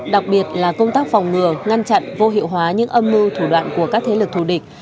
đặc biệt là công tác phòng ngừa ngăn chặn vô hiệu hóa những âm mưu thủ đoạn của các thế lực thù địch